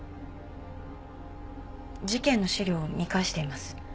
事件の資料を見返しています。